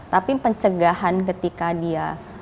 tapi pencegahan ketika dia